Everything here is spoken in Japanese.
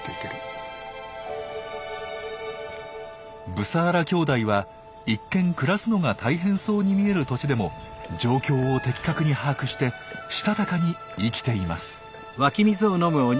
ブサーラ兄弟は一見暮らすのが大変そうに見える土地でも状況を的確に把握してしたたかに生きています。